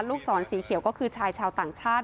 ลูกศรสีเขียวก็คือชายชาวต่างชาติ